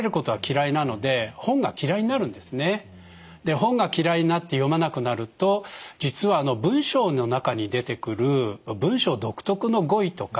本が嫌いになって読まなくなると実は文章の中に出てくる文章独特の語彙とか漢字